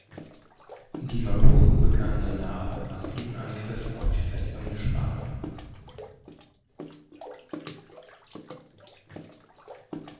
Die Mapuche begannen danach mit massiven Angriffen auf die Festungen der Spanier.